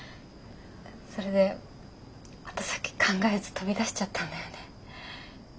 それで後先考えず飛び出しちゃったんだよね。